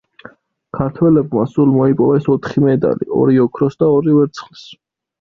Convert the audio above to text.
ქართველებმა სულ მოიპოვეს ოთხი მედალი: ორი ოქროს და ორი ვერცხლის.